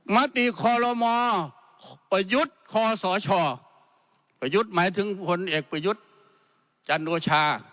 มติคอลโลมประยุทธ์คอสชประยุทธ์หมายถึงผลเอกประยุทธ์จันโอชา